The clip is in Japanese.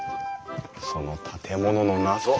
その建物の謎